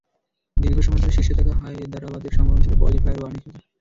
দীর্ঘ সময় ধরে শীর্ষে থাকা হায়দরাবাদের সম্ভাবনা ছিল কোয়ালিফায়ার ওয়ানে খেলা।